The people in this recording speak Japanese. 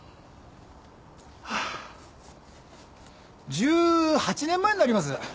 １８年前になります。